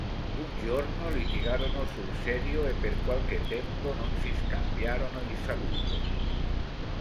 Un giorno litigarono sul serio, e per qualche tempo non si scambiarono il saluto.